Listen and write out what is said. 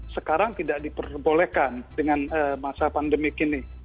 sekarang tidak diperbolehkan dengan masa pandemi kini